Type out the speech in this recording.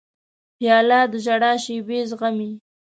پیاله د ژړا شېبې زغمي.